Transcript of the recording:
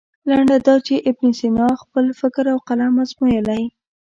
لنډه دا چې ابن سینا خپل فکر او قلم ازمویلی.